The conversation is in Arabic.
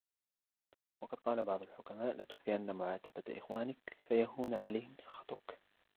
وَقَدْ قَالَ بَعْضُ الْحُكَمَاءِ لَا تُكْثِرَنَّ مُعَاتَبَةَ إخْوَانِك ، فَيَهُونَ عَلَيْهِمْ سَخَطُك